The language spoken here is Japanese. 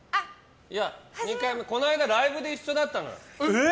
いや、この間ライブで一緒だったのよ。